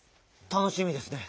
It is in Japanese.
たのしみですね。